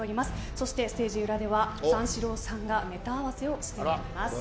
そしてステージ裏では三四郎さんがネタ合わせをしております。